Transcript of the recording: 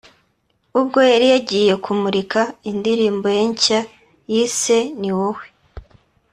ubwo yari yagiye kumurika indirimbo ye nshya yise ‘Ni wowe’